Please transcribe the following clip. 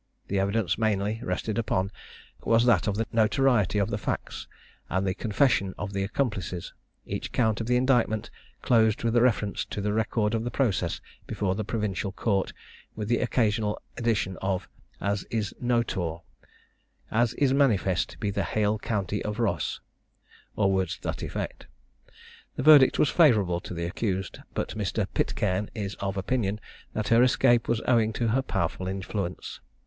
The evidence mainly rested upon, was that of the notoriety of the facts, and the confession of the accomplices; each count of the indictment closed with a reference to the record of the process before the provincial court, with the occasional addition of "as is notour," "as is manifest be the haill countie of Roiss," or words to that effect. The verdict was favourable to the accused; but Mr. Pitcairn is of opinion, that her escape was owing to her powerful influence.